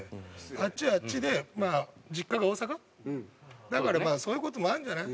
あっちはあっちでまあ実家が大阪だからまあそういう事もあるんじゃない？